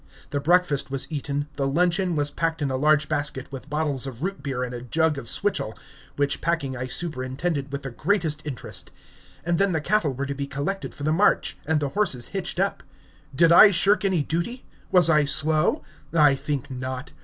The breakfast was eaten, the luncheon was packed in a large basket, with bottles of root beer and a jug of switchel, which packing I superintended with the greatest interest; and then the cattle were to be collected for the march, and the horses hitched up. Did I shirk any duty? Was I slow? I think not.